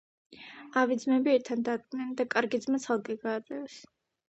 ავი ძმები ერთგან დადგნენ და კარგი ძმა ცალკე გააძევეს.